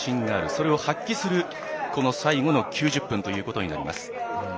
それを発揮する最後の９０分となります。